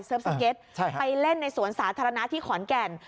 สเก็ตไปเล่นในสวนสาธารณะที่ขอนแก่น